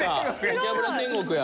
『ボキャブラ天国』や。